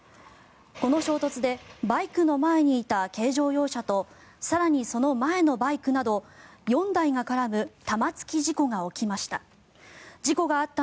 この衝突でバイクの前にいた軽乗用車と更にその前のバイクなど４台が絡む玉突き事故が起きました。